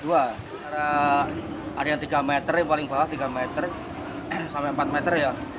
ada yang tiga meter yang paling bawah tiga meter sampai empat meter ya